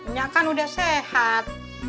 nyak kan udah sehat